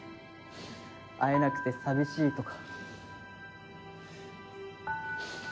会えなくて寂しいとか。